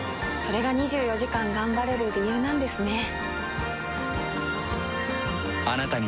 れが２４時間頑張れる理由なんですね。